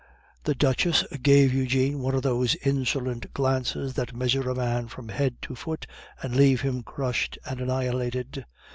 The Duchess gave Eugene one of those insolent glances that measure a man from head to foot, and leave him crushed and annihilated.